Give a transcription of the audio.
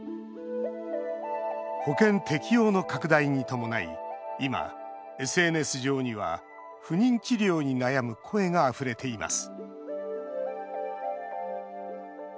保険適用の拡大に伴い今、ＳＮＳ上には不妊治療に悩む声があふれています